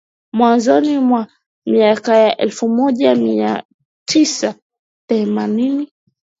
mwanzoni mwa miaka ya elfu moja mia tisa themanini